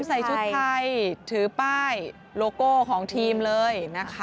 ใส่ชุดไทยถือป้ายโลโก้ของทีมเลยนะคะ